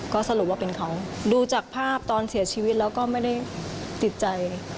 ก็สรุปว่าเป็นเขาดูจากภาพตอนเสียชีวิตแล้วก็ไม่ได้ติดใจ